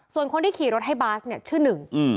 ส่วนคนที่ขี่รถให้บาสเนี่ยชื่อหนึ่ง